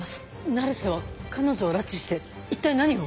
成瀬は彼女を拉致して一体何を？